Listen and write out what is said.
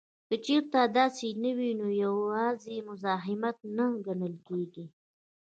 که چېرې داسې نه وي نو یوازې مزاحمت نه ګڼل کیږي